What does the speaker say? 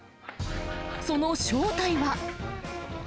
その正体は。